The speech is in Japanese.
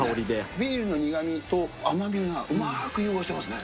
ビールの苦みと甘みがうまーく融合してますね。